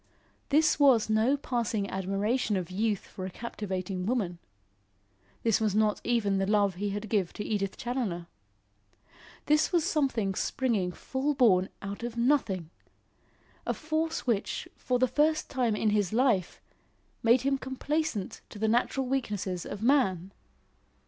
This was no passing admiration of youth for a captivating woman. This was not even the love he had given to Edith Challoner. This was something springing full born out of nothing! a force which, for the first time in his life, made him complaisant to the natural weaknesses of man!